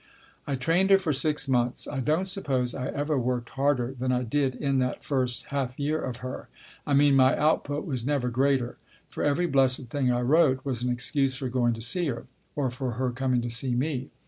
I trained her for six months. I don't suppose I ever worked harder than I did in that first half year of her. I mean my output was never greater. For every blessed thing I wrote was an excuse for going to see her, or for her coming to see me.